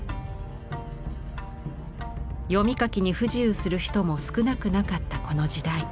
読み書きに不自由する人も少なくなかったこの時代。